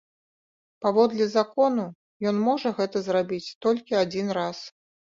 Паводле закону ён можа гэта зрабіць толькі адзін раз.